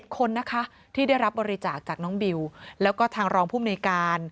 คนนะคะที่ได้รับบริจาคจากน้องบิวแล้วก็ทางรองภูมิในการ